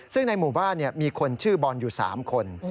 ซึ่งในหมู่บ้านมีคนชื่อบอลอยู่๓คน